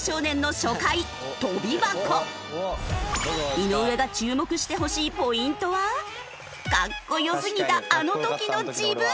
井上が注目してほしいポイントはかっこよすぎたあの時の自分！